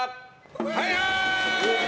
はいはーい！